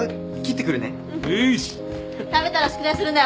食べたら宿題するんだよ。